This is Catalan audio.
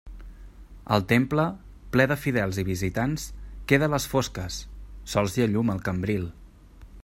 El temple, ple de fidels i visitants, queda a les fosques, sols hi ha llum al cambril.